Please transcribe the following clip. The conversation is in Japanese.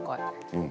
うん。